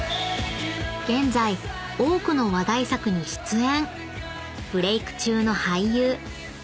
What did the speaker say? ［現在多くの話題作に出演］